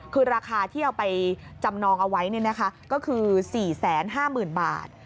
คือราคาที่เอาไปจำนองเอาไว้ก็คือ๔๕๐๐๐บาท